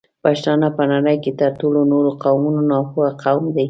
پښتانه په نړۍ کې تر ټولو نورو قومونو ناپوه قوم دی